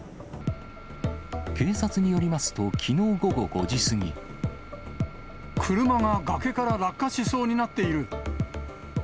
警察によりますと、きのう午後５車が崖から落下しそうになっている。